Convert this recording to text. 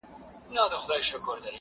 زوی د پلار په دې خبره ډېر خفه سو,